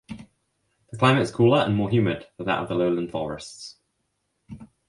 The climate is cooler and more humid than that of the lowland forests.